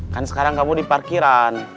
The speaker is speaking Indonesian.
kan sekarang kamu di parkiran